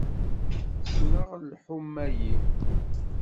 Ssneɣ lḥuma-yi.